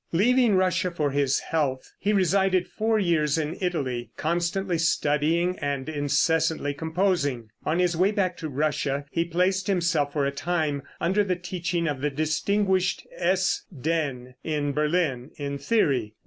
Leaving Russia for his health, he resided four years in Italy, constantly studying and incessantly composing. On his way back to Russia he placed himself for a time under the teaching of the distinguished S. Dehn in Berlin, in theory.